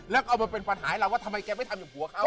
แล้วก็เอามาเป็นปัญหาให้เราว่าทำไมแกไม่ทำอย่างผัวเขา